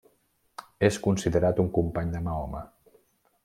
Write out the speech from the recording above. És considerat un company de Mahoma.